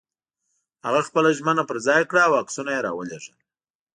هغه خپله ژمنه پر ځای کړه او عکسونه یې را ولېږل.